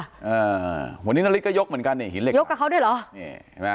อ่าวันนี้นาริสก็ยกเหมือนกันนี่หินเหล็กยกกับเขาด้วยเหรอนี่เห็นไหม